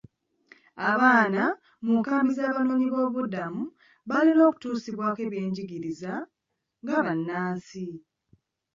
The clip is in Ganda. Abaana mu nkambi z'abanoonyi b'obubuddamu balina okutuusibwako eby'enjigiriza nga bannansi.